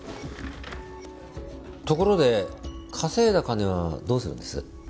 ところで稼いだ金はどうするんです？